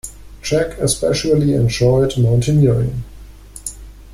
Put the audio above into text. Jack especially enjoyed mountaineering.